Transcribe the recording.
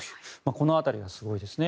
この辺り、すごいですね。